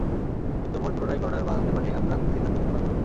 কিন্তু ভোট পুনরায় গণনার ব্যাপারে আমরা কোনো সিদ্ধান্ত নিতে পারব না।